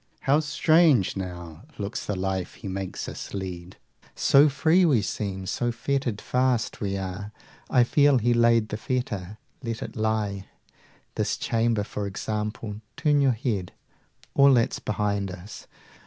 How strange now looks the life He makes us lead; 50 So free we seem, so fettered fast we are! I feel He laid the fetter: let it lie! This chamber for example turn your head All that's behind us!